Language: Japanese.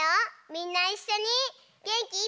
みんないっしょにげんきいっぱい。